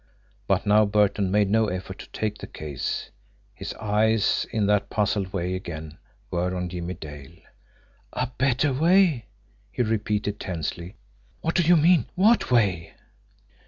But now Burton made no effort to take the case his eyes, in that puzzled way again, were on Jimmie Dale. "A better way?" he repeated tensely. "What do you mean? What way?"